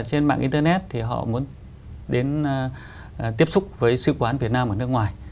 trên mạng internet thì họ muốn đến tiếp xúc với sư quán việt nam ở nước ngoài